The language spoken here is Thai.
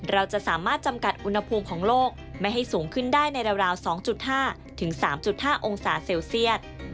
เราจะสามารถจำกัดอุณหภูมิของโลกไม่ให้สูงขึ้นได้ในราว๒๕๓๕องศาเซลเซียต